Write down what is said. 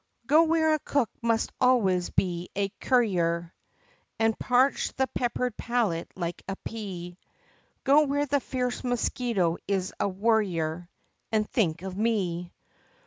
Go where a cook must always be a currier, And parch the peppered palate like a pea, Go where the fierce mosquito is a worrier, And think of me!